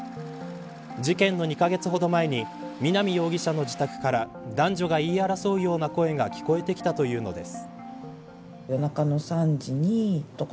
事件の２カ月ほど前に南容疑者の自宅から男女が言い争うような声が聞こえてきたというのです。